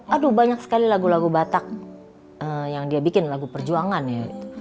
aduh banyak sekali lagu lagu batak yang dia bikin lagu perjuangan ya